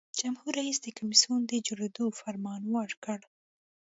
جمهور رئیس د کمیسیون د جوړیدو فرمان ورکړ.